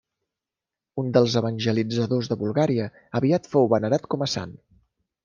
Un dels evangelitzadors de Bulgària, aviat fou venerat com a sant.